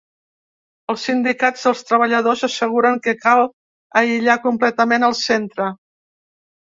Els sindicats dels treballadors asseguren que cal aïllar completament el centre.